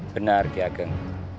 benar ki ageng